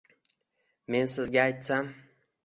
Men sizga aytsam